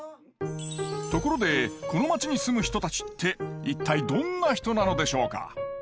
ところでこの町に住む人たちって一体どんな人なのでしょうか？